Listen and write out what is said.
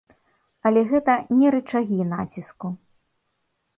Але гэта не рычагі націску.